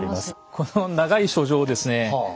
この長い書状をですね